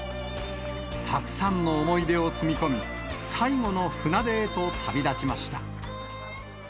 たくさんの思い出を積み込み、最後の船出へと旅立ちました。